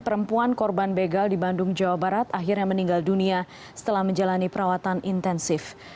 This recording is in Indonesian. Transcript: perempuan korban begal di bandung jawa barat akhirnya meninggal dunia setelah menjalani perawatan intensif